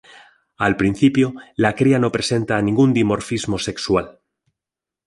Al principio, la cría no presenta ningún dimorfismo sexual.